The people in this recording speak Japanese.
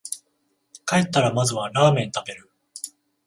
帰ったらまずはラーメン食べる